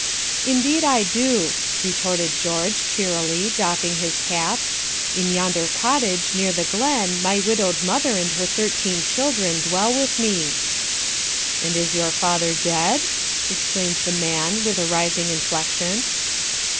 "Indeed I do," retorted George, cheerily, doffing his cap. "In yonder cottage, near the glen, my widowed mother and her thirteen children dwell with me." "And is your father dead?" exclaimed the man, with a rising inflection.